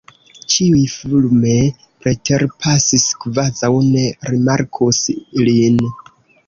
Ĉiuj fulme preterpasis, kvazaŭ ne rimarkus lin.